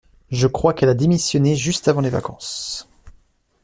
Je crois qu'elle a démissionné juste avant les vacances.